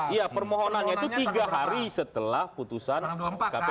iya permohonannya itu tiga hari setelah putusan kpu